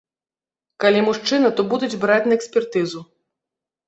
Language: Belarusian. Калі мужчына, то будуць браць на экспертызу.